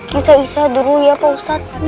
bisa bisa dulu ya pak ustadz